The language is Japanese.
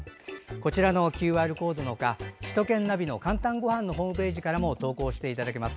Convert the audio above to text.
こちらのＱＲコードの他首都圏ナビの「かんたんごはん」のホームページからも投稿していただけます。